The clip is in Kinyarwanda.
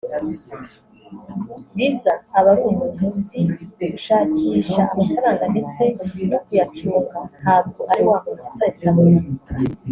Liza aba ri umuntu uzi gushakisha amafaranga ndetse no kuyacunga ntabwo ari wa muntu usesagura